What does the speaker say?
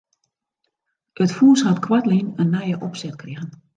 It fûns hat koartlyn in nije opset krigen.